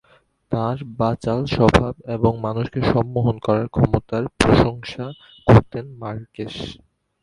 তাঁর বাচাল স্বভাব এবং মানুষকে সম্মোহন করার ক্ষমতার প্রশংসা করতেন মার্কেস।